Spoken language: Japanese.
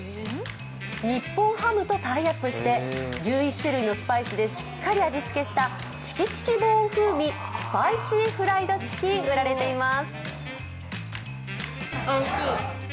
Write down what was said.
日本ハムとタイアップして１１種類のスパイスでしっかり味付けしたチキチキボーン風味スパイシーフライドチキン、売られています。